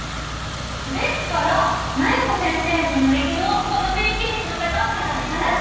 ですから麻弥子先生の濡れ衣をこの名刑事の片岡さんに晴らしてもらうんです。